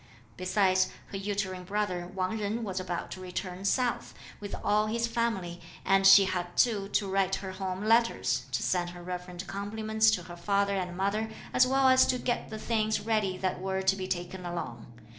Besides, her uterine brother Wang Jen was about to return south, with all his family, and she had too to write her home letters, to send her reverent compliments to her father and mother, as well as to get the things ready that were to be taken along.